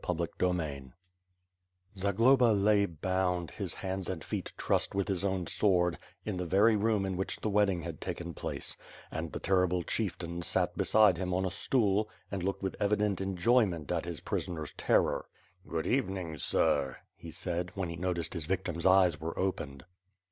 CHAPTER VII Zagloba lay bound, his hands and feet trussed with his own sword, in the very room in which the wedding had taken place; and the terrible Chieftain sat beside him on a stool and looked with evident enjoyment at his prisoner's terror. *^Good evening, sir," he said, when he noticed his victim's eyes were opened.